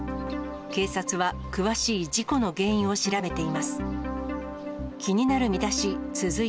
警察は詳しい事故の原因を調べています。